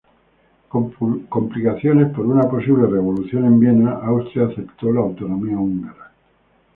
Con complicaciones por una posible revolución en Viena, Austria aceptó la autonomía húngara.